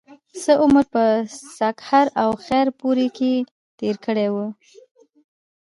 څۀ عمر پۀ سکهر او خېر پور کښې تير کړے وو